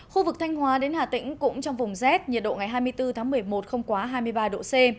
khu vực thanh hóa đến hà tĩnh cũng trong vùng rét nhiệt độ ngày hai mươi bốn tháng một mươi một không quá hai mươi ba độ c